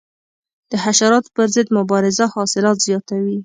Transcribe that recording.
د حشراتو پر ضد مبارزه حاصلات زیاتوي.